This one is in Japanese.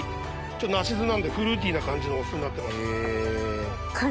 梨酢なんでフルーティーな感じのお酢になってます。